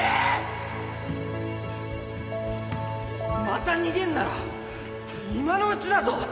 また逃げんなら今のうちだぞ！